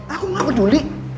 aku gak peduli